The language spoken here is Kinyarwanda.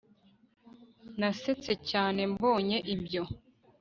Nasetse cyane mbonye ibyo